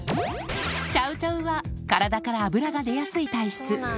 チャウチャウは体から脂が出やすい体質。